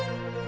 ke pasar baru